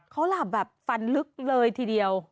เขาหลับแบบฟันลึกเลยทีเดียว